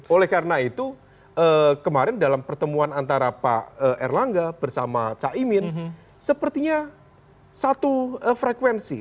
oleh karena itu kemarin dalam pertemuan antara pak erlangga bersama cak imin sepertinya satu frekuensi